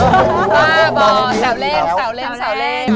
อ้าวสาวเล่น